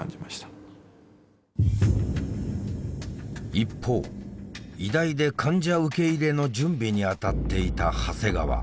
一方医大で患者受け入れの準備にあたっていた長谷川。